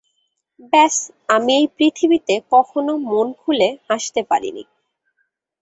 ব্যস আমি এই পৃথিবীতে কখনো মন খুলে হাসতে পারিনি।